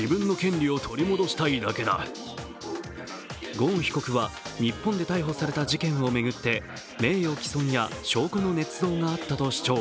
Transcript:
ゴーン被告は、日本で逮捕された事件を巡って、名誉毀損や証拠のねつ造があったと主張。